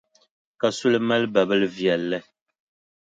Kasuli mali babilʼ viɛlli.